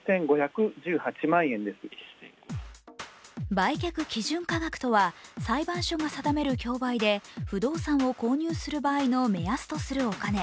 売却基準価額とは、裁判所が定める競売で不動産を購入する場合の目安とするお金。